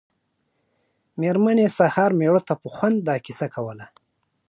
مېرمنې سهار مېړه ته په خوند دا کیسه کوله.